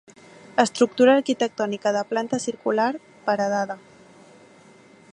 Estructura arquitectònica de planta circular, paredada.